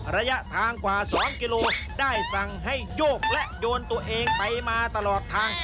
ระยะทางกว่า๒กิโลได้สั่งให้โยกและโยนตัวเองไปมาตลอดทาง